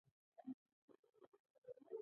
کوتره له آرامه ځایه خوند اخلي.